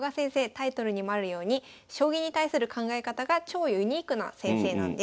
タイトルにもあるように将棋に対する考え方が超ユニークな先生なんです。